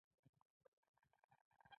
چاکلېټ د ناروغ لپاره د خوښۍ یوه ذره ده.